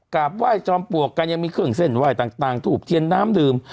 กราบว่ายจอมปวกอีกหนึ่งเว้นต่างตูบเดียนน้ำดื่ม